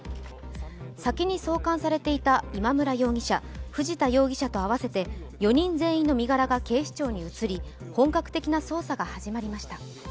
先に送還されていた今村容疑者、藤田容疑者と合わせて４人全員の身柄が警視庁に移り本格的な捜査が始まりました。